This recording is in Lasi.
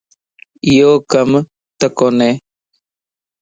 ايو ڪمت ڪوني